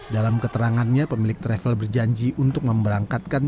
dalam keterangannya pemilik travel berjanji untuk memberangkatkan